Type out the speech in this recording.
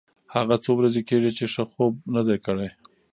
هغه څو ورځې کېږي چې ښه خوب نه دی کړی.